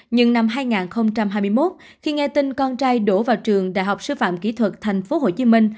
nhưng năm hai nghìn hai mươi một khi nghe tin con trai đổ vào trường đại học sư phạm kỹ thuật tp hcm